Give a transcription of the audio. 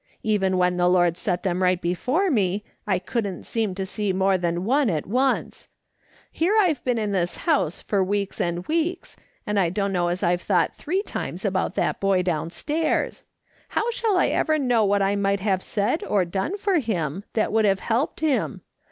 Even when the Lord set them right before me, I couldn't seem to see more than one at once. Here I've been in this house for weeks and weeks, and I dunno as I've thought three times about that boy downstairs. How shall I ever know what I might have said or done for him, that would have helped him